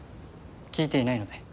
聞いていないので。